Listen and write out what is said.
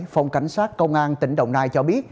phòng cảnh sát công an tỉnh đồng nai cho biết